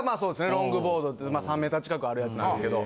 ロングボードっていう３ｍ近くあるやつなんですけど。